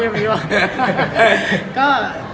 อย่างนี้บ้าง